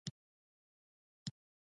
دایمي خنډ نه ګڼل کېدی.